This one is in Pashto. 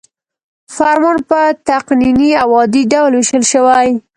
فرمان په تقنیني او عادي ډول ویشل شوی.